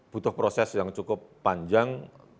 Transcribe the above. butuh proses yang cukup panjang